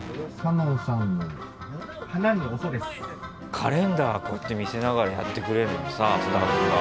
カレンダーこうやって見せながらやってくれるのさスタッフが。